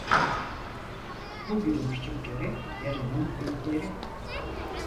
Bugünün küçükleri yarının büyükleri.